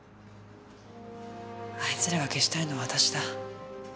あいつらが消したいのは私だ。